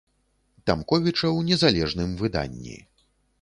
Тамковіча ў незалежным выданні.